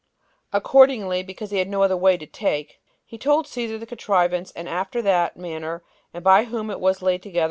Accordingly, because he had no other way to take, he told Cæsar the contrivance, and after what manner and by whom it was laid together.